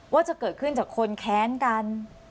ว่าจะเกิดขึ้นจากคนแค้นกัน